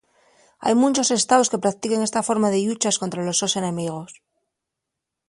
Hai munchos estaos que prautiquen esta forma de llucha escontra los sos enemigos.